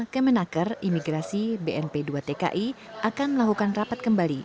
kemenaker imigrasi bnp dua tki akan melakukan rapat kembali